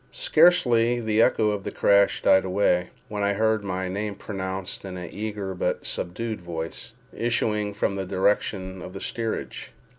Scarcely had the echo of the crash died away, when I heard my name pronounced in an eager but subdued voice, issuing from the direction of the steerage.